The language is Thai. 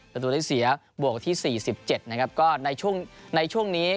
ประตูได้เสียบวกที่๔๗นะครับก็ในช่วงในช่วงนี้